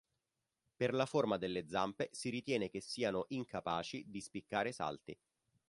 Per la forma delle zampe si ritiene che siano incapaci di spiccare salti.